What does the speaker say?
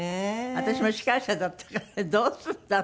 私も司会者だったからどうするんだって。